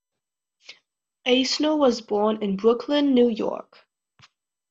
Eisner was born in Brooklyn, New York.